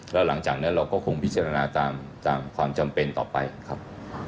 แล้วหลังจากนั้นเราก็คงพิจารณาตามความจำเป็นต่อไปครับ